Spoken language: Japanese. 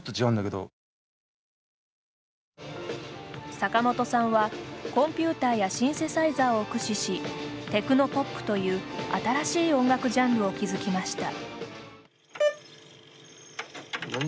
坂本さんは、コンピューターやシンセサイザーを駆使しテクノポップという新しい音楽ジャンルを築きました。